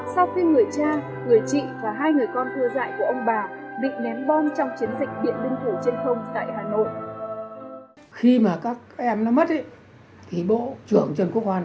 sau khi người cha người chị và hai người con thưa dạy của ông bà bị nén bom trong chiến dịch biện binh thủ trên không